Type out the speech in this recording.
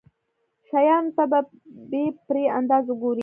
شيانو ته په بې پرې انداز وګوري.